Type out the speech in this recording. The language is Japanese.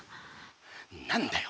何だよ。